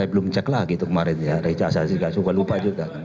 saya belum cek lagi itu kemarin ya ijazah juga lupa juga